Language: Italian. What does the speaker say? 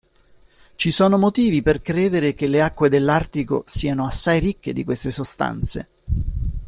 Ci sono motivi per credere che le acque dell'Artico siano assai ricche di queste sostanze.